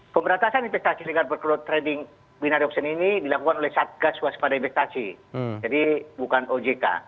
pemberantasan investasi dengan berkelot trading binari option ini dilakukan oleh satgas waspada investasi jadi bukan ojk